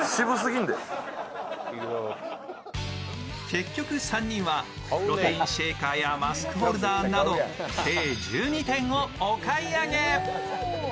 結局３人はプロテインシェーカーやマスクホルダーなど、計１２点をお買い上げ。